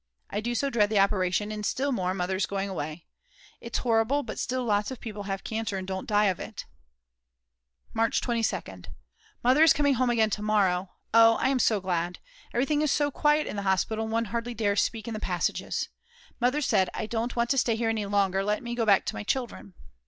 I do so dread the operation, and still more Mother's going away. It's horrible, but still lots of people have cancer and don't die of it. March 22nd. Mother is coming home again tomorrow. Oh I am so glad! Everything is so quiet in the hospital and one hardly dares speak in the passages. Mother said: "I don't want to stay here any longer, let me go back to my children."